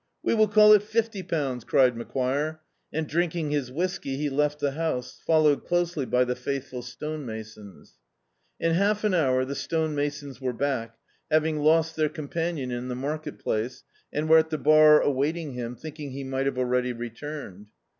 "We will call it fifty pounds," cried Macquire and, drinking his whisky, he left the house, followed closely by the faithful stonemasons. In half an hour the stonemas<»is were back, having lost their companion in the market place, and were at the bar awaiting him, thinking he might have already returned.